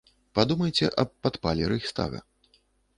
Падумайце аб падпале рэйхстага.